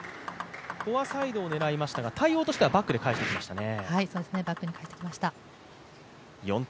フォアサイドを狙いましたが、対応としてはバックで返してきましたね。